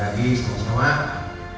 dan jadi semua sama